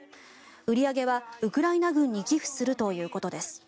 売り上げはウクライナ軍に寄付するということです。